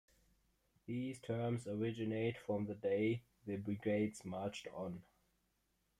These terms originate from the day the brigades marched on.